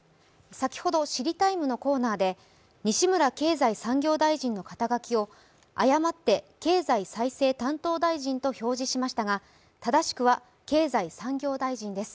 先ほど「知りＴＩＭＥ，」のコーナーで西村経済産業大臣の肩書きを誤って経済再生担当大臣と表示しましたが正しくは経済産業大臣です。